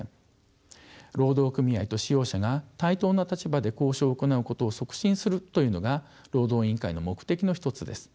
労働組合と使用者が対等な立場で交渉を行うことを促進するというのが労働委員会の目的の一つです。